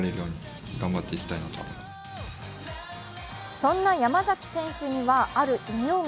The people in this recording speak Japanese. そんな山崎選手にはある異名が。